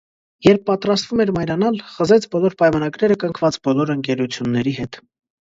Երբ պատրաստվում էր մայրանալ՝ խզեց բոլոր պայմանագրերը կնքված բոլոր ընկերությունների հետ։